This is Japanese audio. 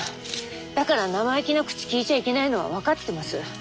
だから生意気な口利いちゃいけないのは分かってます。